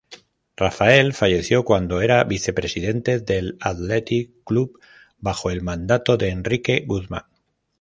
Rafael falleció cuando era vicepresidente del Athletic Club bajo el mandato de Enrique Guzmán.